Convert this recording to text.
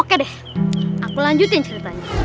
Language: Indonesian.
oke deh aku lanjutin ceritanya